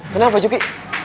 kenapa pak cuki